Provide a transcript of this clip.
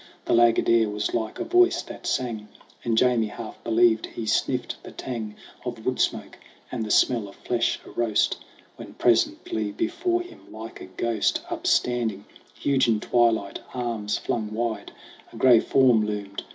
The laggard air was like a voice that sang, And Jamie half believed he sniffed the tang Of woodsmoke and the smell of flesh a roast ; When presently before him, like a ghost, Upstanding, huge in twilight, arms flung wide, A gray form loomed.